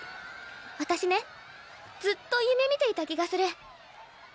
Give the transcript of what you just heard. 私ねずっと夢見ていた気がする。